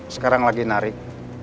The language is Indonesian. sekarang lagi narik